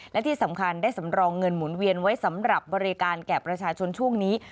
และที่สำคัญได้สำรองเงินหมุนเวียนไว้สำหรับบริการแก่ประชาชนช่วงนี้